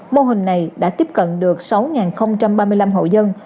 mô hình này đã tiếp cận được sáu ba mươi năm hộ dân